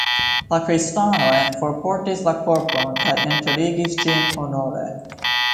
La kristanoj forportis la korpon kaj enterigis ĝin honore.